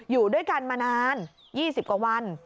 อยู่ด้วยกันมานานยี่สิบกว่าวัน